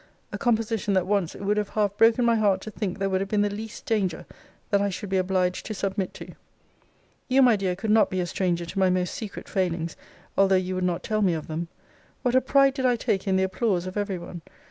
A composition that once it would have half broken my heart to think there would have been the least danger that I should be obliged to submit to. You, my dear, could not be a stranger to my most secret failings, although you would not tell me of them. What a pride did I take in the applause of every one!